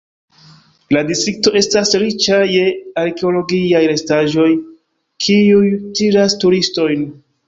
La distrikto estas riĉa je arkeologiaj restaĵoj, kiuj tiras turistojn.